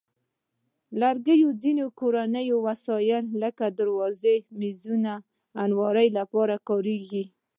لرګي د ځینو کورني وسایلو لکه درازونو، مېزونو، او المارۍ لپاره کارېږي.